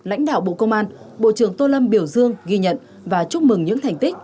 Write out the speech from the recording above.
lãnh đạo bộ công an bộ trưởng tô lâm biểu dương ghi nhận và chúc mừng những thành tích